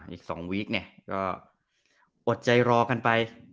อีก๒วีคเนี่ยก็อดใจรอกันไป